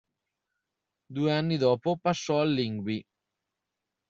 Due anni dopo, passò al Lyngby.